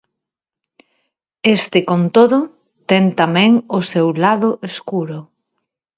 Este, con todo, ten tamén o seu lado escuro.